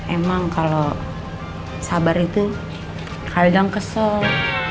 emang kalau sabar itu kadang kesel